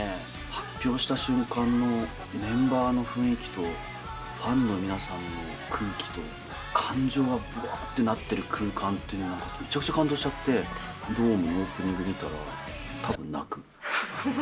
発表した瞬間のメンバーの雰囲気と、ファンの皆さんの空気と、感情がぶわーっとなっている空間っていうのがめちゃくちゃ感動しちゃって、ドームのオープニング見たら、たぶん泣く。